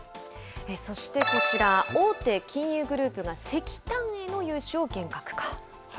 そしてこちら、大手金融グループが石炭への融資を厳格化。